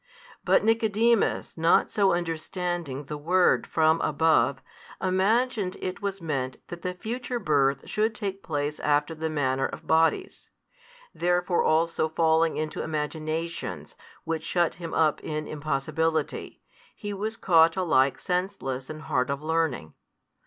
But Nicodemus not so understanding the word from above, imagined it was meant that the future birth should take place after the manner of bodies: therefore also falling into imaginations which shut him up in impossibility, he was caught alike senseless and hard of learning.